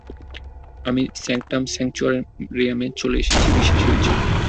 আমি স্যাঙ্কটাম স্যাংচুরিয়ামে চলে এসেছি, বিশ্বাসই হচ্ছে না!